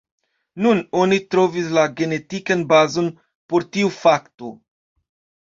Nun oni trovis la genetikan bazon por tiu fakto.